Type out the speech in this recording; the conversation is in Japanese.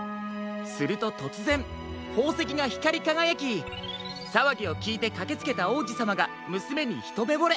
するととつぜんほうせきがひかりかがやきさわぎをきいてかけつけたおうじさまがむすめにひとめぼれ。